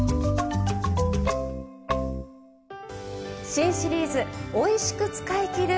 新シリーズ「おいしく使いきる！